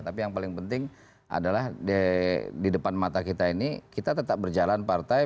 tapi yang paling penting adalah di depan mata kita ini kita tetap berjalan partai